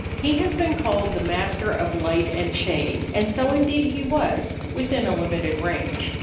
He has been called the master of light and shade, and so, indeed, he was within a limited range.